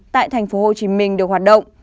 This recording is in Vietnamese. tại tp hcm được hoạt động